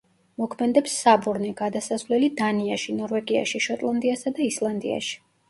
მოქმედებს საბორნე გადასასვლელი დანიაში, ნორვეგიაში, შოტლანდიასა და ისლანდიაში.